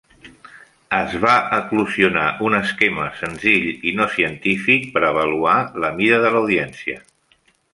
Es va eclosionar un esquema senzill i no científic per avaluar la mida de l'audiència.